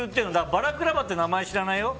バラクラバっていう名前は知らないよ。